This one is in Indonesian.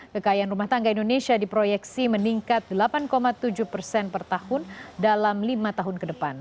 kekayaan rumah tangga indonesia diproyeksi meningkat delapan tujuh persen per tahun dalam lima tahun ke depan